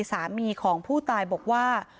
สามีของผู้ตายบอกว่า